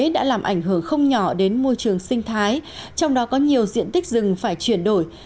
đã làm ảnh hưởng không nhỏ đến môi trường sinh thái trong đó có nhiều diện tích rừng phải chuyển đổi